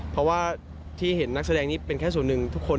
เพราะว่าที่เห็นนักแสดงนี้เป็นแค่ส่วนหนึ่งทุกคน